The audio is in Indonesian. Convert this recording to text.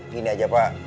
gini aja pak